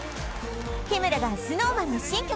日村がＳｎｏｗＭａｎの新曲